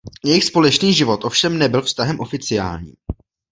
Jejich společný život ovšem nebyl vztahem oficiálním.